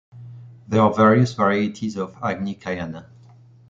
There are various varieties of Agnicayana.